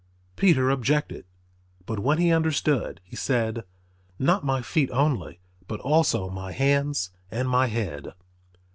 Peter objected, but when he understood, he said, "Not my feet only, but also my hands and my head."